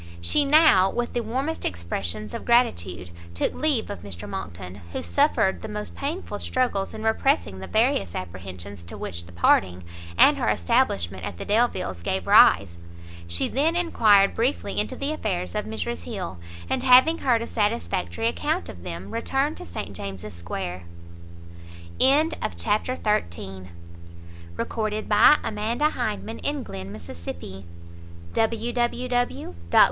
She now, with the warmest expressions of gratitude, took leave of Mr Monckton, who suffered the most painful struggles in repressing the various apprehensions to which the parting, and her establishment at the Delviles gave rise. She then enquired briefly into the affairs of Mrs Hill, and having heard a satisfactory account of them, returned to St James's square. BOOK VI CHAPTER i. A DEBATE. It was still early, and Mrs Delvile was not expected till late.